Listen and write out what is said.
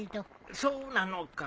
そうなのか。